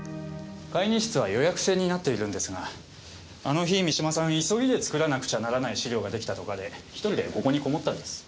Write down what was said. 会議室は予約制になっているんですがあの日三島さん急いで作らなくちゃならない資料が出来たとかで１人でここにこもったんです。